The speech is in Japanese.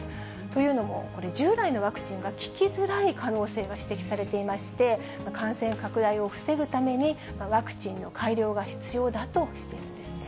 というのも、従来のワクチンが効きづらい可能性が指摘されていまして、感染拡大を防ぐために、ワクチンの改良が必要だとしているんですね。